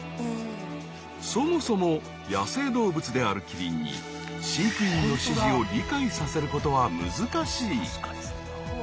そもそも野生動物であるキリンに飼育員の指示を理解させることは難しい。